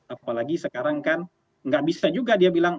apalagi sekarang kan nggak bisa juga dia bilang